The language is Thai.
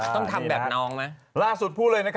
ต้องทำแบบน้องมั้ย